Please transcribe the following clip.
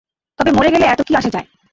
তবে মরে গেলে এতো কি আসে যায়?